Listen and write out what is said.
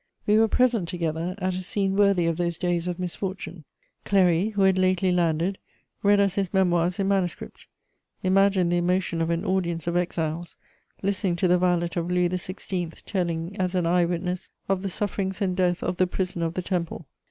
We were present together at a scene worthy of those days of misfortune: Cléry, who had lately landed, read us his Memoirs in manuscript. Imagine the emotion of an audience of exiles, listening to the valet of Louis XVI. telling, as an eye witness, of the sufferings and death of the prisoner of the Temple!